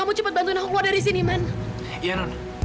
emang aku disini man